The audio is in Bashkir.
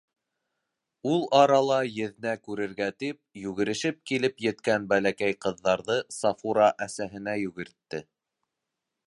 Ул арала, еҙнә күрергә тип, йүгерешеп килеп еткән бәләкәй ҡыҙҙарҙы Сафура әсәһенә йүгертте: